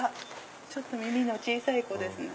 ちょっと耳の小さい子ですね。